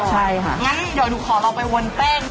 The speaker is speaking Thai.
งั้นเดี๋ยวหนูขอเร้มไปวนแป้ง